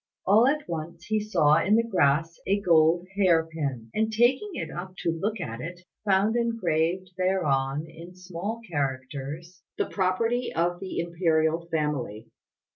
All at once he saw in the grass a gold hair pin; and taking it up to look at it, found engraved thereon in small characters "The property of the Imperial family."